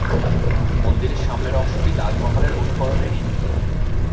মন্দিরের সামনের অংশটি তাজমহলের অনুকরণে নির্মিত।